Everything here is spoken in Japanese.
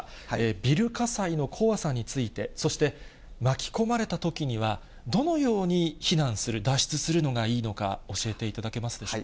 ビル火災の怖さについて、そして、巻き込まれたときには、どのように避難する、脱出するのがいいのか、教えていただけますでしょう